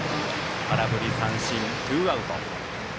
空振り三振、ツーアウト。